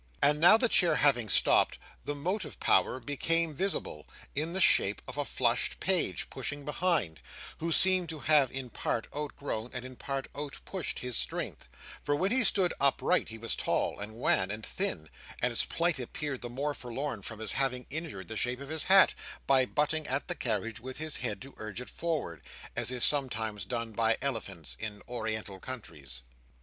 And now, the chair having stopped, the motive power became visible in the shape of a flushed page pushing behind, who seemed to have in part outgrown and in part out pushed his strength, for when he stood upright he was tall, and wan, and thin, and his plight appeared the more forlorn from his having injured the shape of his hat, by butting at the carriage with his head to urge it forward, as is sometimes done by elephants in Oriental countries.